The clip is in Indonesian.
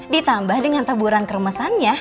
ditambah dengan taburan kermesannya